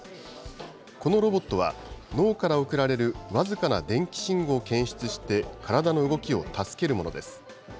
このロボットは、脳から送られる僅かな電気信号を検出して、体の動きを助けるものです。